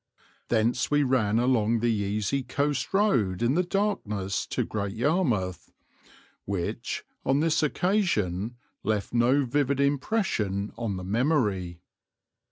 Thence we ran along the easy coast road in the darkness to Great Yarmouth, which, on this occasion, left no vivid impression on the memory.